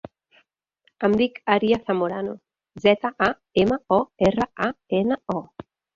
Em dic Arya Zamorano: zeta, a, ema, o, erra, a, ena, o.